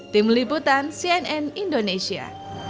tim liputan cnn indonesia